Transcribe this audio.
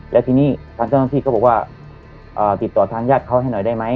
แล้วทีนี้ทางเจ้าหน้าที่ก็บอกว่าติดต่อทางญาติเขาให้หน่อยได้ไหม